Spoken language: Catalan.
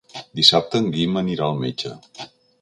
Dissabte en Guim anirà al metge.